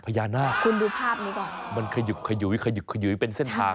พญานาคคุณดูภาพนี้ก่อนมันขยุบขยุยขยุบขยุยเป็นเส้นทาง